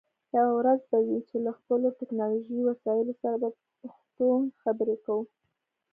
یوه ورځ به وي چې له خپلو ټکنالوژی وسایلو سره په پښتو خبرې کوو